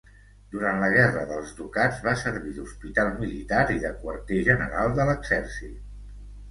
Durant la Guerra dels Ducats va servir d'hospital militar i de quarter general de l'exèrcit.